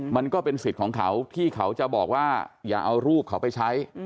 มันก็เป็นสิทธิ์ของเขาที่เขาจะบอกว่าอย่าเอารูปเขาไปใช้